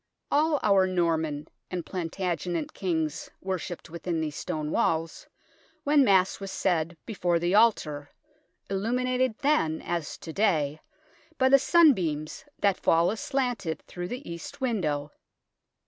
All our Norman and Plant agenet kings worshipped within these stone walls, when Mass was said before the altar, illuminated then, as to day, by the sun beams that fall aslant it through the east window.